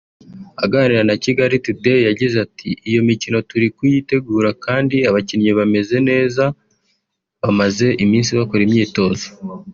Aganira na Kigali Today yagize ati ”Iyo mikino turi kuyitegura kandi abakinnyi bameze neza bamaze iminsi bakora imyitozo